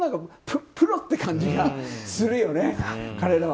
プロって感じがするよね。